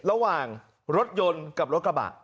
ระหว่างรถยนต์กับรถกระบะ